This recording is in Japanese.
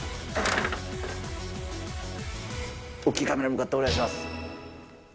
大きいカメラに向かってお願いします。